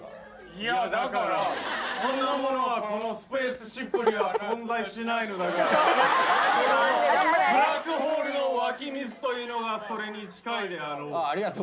いや、だから、そんなものはこのスペースシップには存在しないのだがこのブラックホールの湧き水というのがそれに近いであろう。